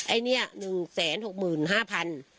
ไอ้เนี่ย๑๖๕๐๐บาท